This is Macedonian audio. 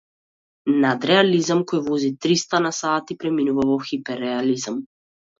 Надреализам кој вози триста на сат и преминува во хипер-реализам!